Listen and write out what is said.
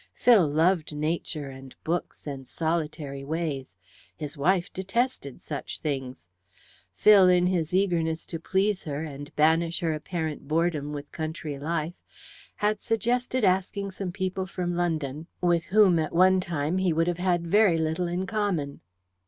Phil loved Nature, and books, and solitary ways; his wife detested such things. Phil, in his eagerness to please her, and banish her apparent boredom with country life, had suggested asking some people from London with whom, at one time, he would have had very little in common.